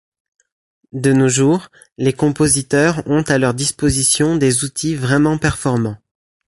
De nos jours, les compositeurs ont à leur disposition des outils vraiment performants.